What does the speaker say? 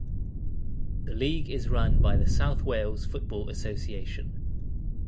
The league is run by the South Wales Football Association.